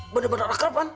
bener bener akrab kan